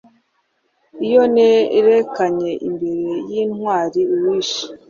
Iyo nerekanye imbere yintwari uwishe